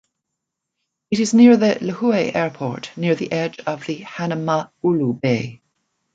It is near the Lihu'e Airport, near the edge of the Hanama'ulu Bay.